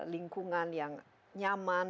lingkungan yang nyaman